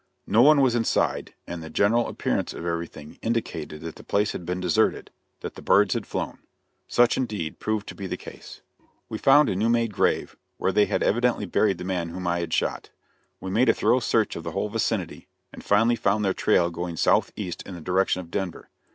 No one was inside, and the general appearance of everything indicated that the place had been deserted that the birds had flown. Such, indeed, proved to be the case. We found a new made grave, where they had evidently buried the man whom I had shot. We made a thorough search of the whole vicinity, and finally found their trail going southeast in the direction of Denver.